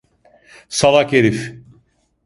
Salak herif!